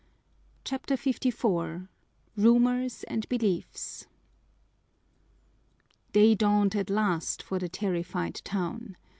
CHAPTER LVI Rumors and Beliefs Day dawned at last for the terrified town.